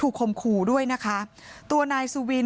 พี่น้องของผู้เสียหายแล้วเสร็จแล้วมีการของผู้เสียหาย